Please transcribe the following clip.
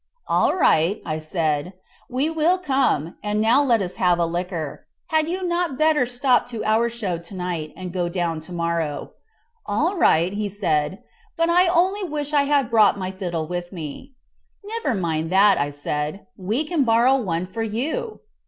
"All right," I said; "we will come, and now let us have a liquor. Had you not better stop to our show to night, and go down to morrow." "All right," said he; "but I only wish I had brought my fiddle with me." "Never mind that," said I; "we can borrow one for you."